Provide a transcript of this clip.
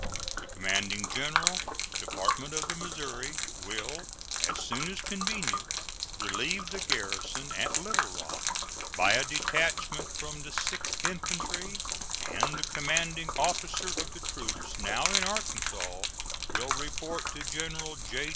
The commanding general Department of the Missouri will, as soon as convenient, relieve the garrison at Little Rock by a detachment from the Sixth Infantry, and the commanding officer of the troops now in Arkansas will report to General J.